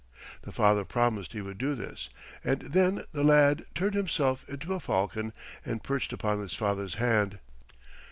The father promised he would do this, and then the lad turned himself into a falcon and perched upon his father's hand.